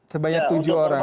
sebanyak tujuh orang